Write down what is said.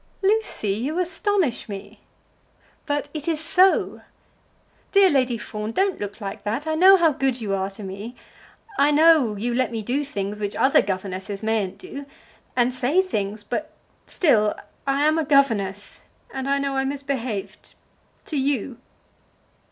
"Lucy, you astonish me." "But it is so. Dear Lady Fawn, don't look like that. I know how good you are to me. I know you let me do things which other governesses mayn't do; and say things; but still I am a governess, and I know I misbehaved to you."